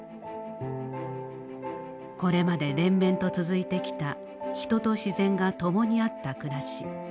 これまで連綿と続いてきた人と自然が共にあった暮らし。